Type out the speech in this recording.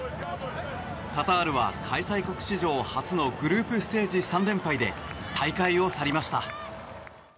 カタールは、開催国史上初のグループステージ３連敗で大会を去りました。